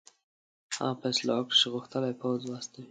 هغه فیصله وکړه چې غښتلی پوځ واستوي.